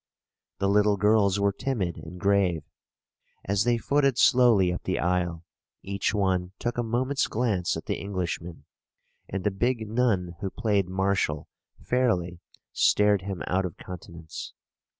The little girls were timid and grave. As they footed slowly up the aisle, each one took a moment's glance at the Englishman; and the big nun who played marshal fairly stared him out of countenance.